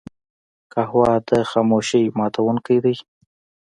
قهوه د خاموشۍ ماتونکی دی